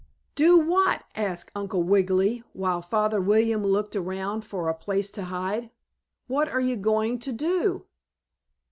"Do what?" asked Uncle Wiggily, while Father William looked around for a place to hide. "What are you going to do?"